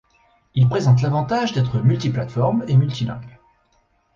Il présente l'avantage d'être multiplateforme et multilingue.